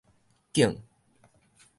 景